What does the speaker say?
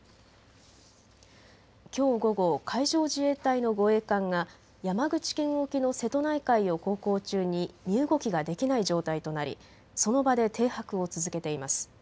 きょう午後、海上自衛隊の護衛艦が山口県沖の瀬戸内海を航行中に身動きができない状態となりその場で停泊を続けています。